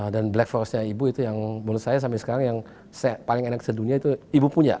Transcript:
dan black forestnya ibu itu yang menurut saya sampai sekarang yang paling enak di dunia itu ibu punya